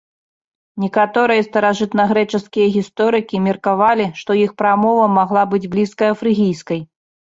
Некаторыя старажытнагрэчаскія гісторыкі меркавалі, што іх прамова магла быць блізкая фрыгійскай.